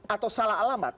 atau salah alamat